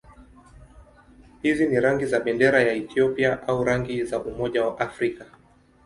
Hizi ni rangi za bendera ya Ethiopia au rangi za Umoja wa Afrika.